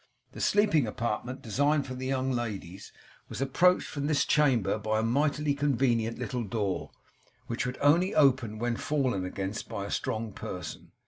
The sleeping apartment designed for the young ladies was approached from this chamber by a mightily convenient little door, which would only open when fallen against by a strong person.